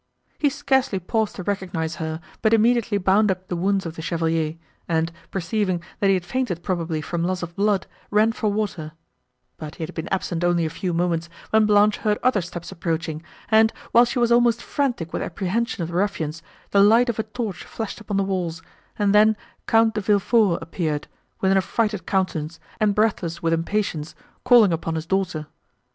He scarcely paused to recognise her, but immediately bound up the wounds of the Chevalier, and, perceiving, that he had fainted probably from loss of blood, ran for water; but he had been absent only a few moments, when Blanche heard other steps approaching, and, while she was almost frantic with apprehension of the ruffians, the light of a torch flashed upon the walls, and then Count De Villefort appeared, with an affrighted countenance, and breathless with impatience, calling upon his daughter.